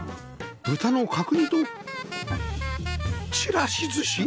豚の角煮とちらしずし？